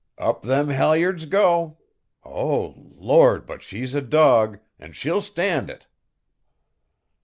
"Up them halyards go. Oh, Lord, but she's a dog, an' she'll stand it."